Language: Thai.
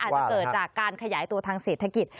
อาจจะเกิดจากการขยายตัวทางเศรษฐกิจ